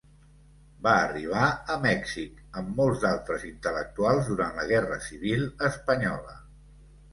Va arribar a Mèxic amb molts d'altres intel·lectuals durant la guerra civil espanyola.